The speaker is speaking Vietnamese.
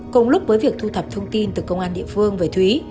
cùng lúc với việc thu thập thông tin từ công an địa phương về thúy